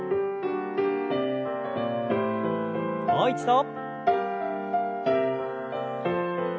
もう一度。